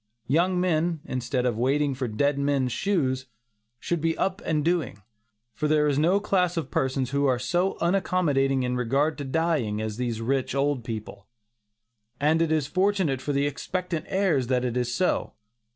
Young men instead of "waiting for dead men's shoes" should be up and doing, for there is no class of persons who are so unaccommodating in regard to dying as these rich old people, and it is fortunate for the expectant heirs that it is so.